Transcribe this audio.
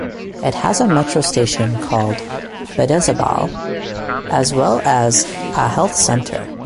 It has a metro station called "Bidezabal" as well as a health center.